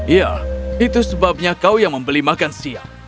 ya itu sebabnya kau yang membeli makan siang